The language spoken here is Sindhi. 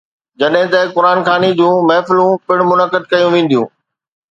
جڏهن ته قرآن خواني جون محفلون پڻ منعقد ڪيون وينديون.